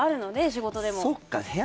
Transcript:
仕事でも。